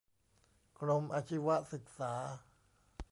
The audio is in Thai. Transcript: กรมอาชีวศึกษา